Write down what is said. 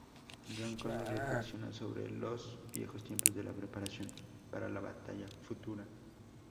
John Connor reflexiona sobre los viejos tiempos de la preparación para la batalla futura.